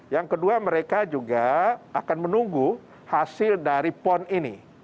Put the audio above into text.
yang kedua mereka juga akan menunggu hasil dari pon ini